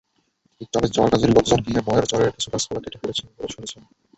তবে চরগাজীর লোকজন গিয়ে বয়ারচরের কিছু গাছপালা কেটে ফেলেছেন বলে শুনেছেন।